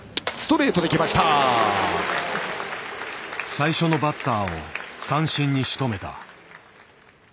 最初のバッターを三振にしとめた。